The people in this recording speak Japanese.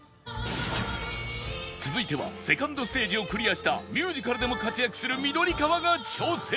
続いては ２ｎｄ ステージをクリアしたミュージカルでも活躍する緑川が挑戦